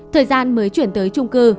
thời gian mới chuyển tới trung cư